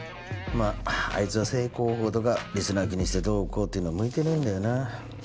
まああいつは正攻法とかリスナーを気にしてどうこうっていうのは向いてねえんだよな。